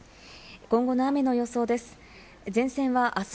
今後の雨の予想です。